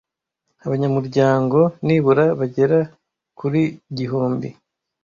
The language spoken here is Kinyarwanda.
abanyamuryango nibura bagera kurgihumbi